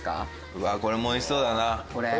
「うわこれも美味しそうだな」